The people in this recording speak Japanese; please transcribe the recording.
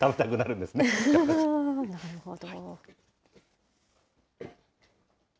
なるほど。